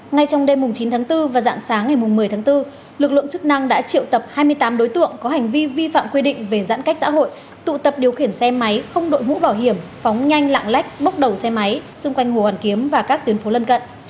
ngay trong đêm chín tháng bốn và dạng sáng ngày một mươi tháng bốn lực lượng chức năng đã triệu tập hai mươi tám đối tượng có hành vi vi phạm quy định về giãn cách xã hội tụ tập điều khiển xe máy không đội mũ bảo hiểm phóng nhanh lạng lách bốc đầu xe máy xung quanh hồ hoàn kiếm và các tuyến phố lân cận